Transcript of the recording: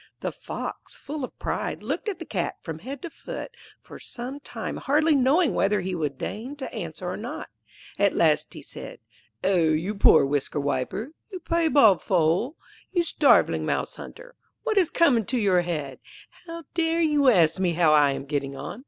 The Fox, full of pride, looked at the Cat from head to foot for some time hardly knowing whether he would deign to answer or not. At last he said 'Oh, you poor whisker wiper, you piebald fool, you starveling mouse hunter! what has come into your head? How dare you ask me how I am getting on?